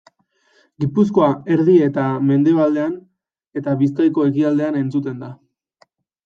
Gipuzkoa erdi eta mendebaldean eta Bizkaiko ekialdean entzuten da.